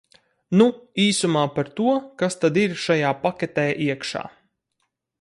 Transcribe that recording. Nu, īsumā par to, kas tad ir šajā paketē iekšā.